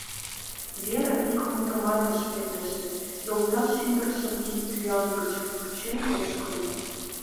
Вера ик мутымат ыш пелеште, йолташ ӱдыржым кидпӱан гыч кучен ошкыльо.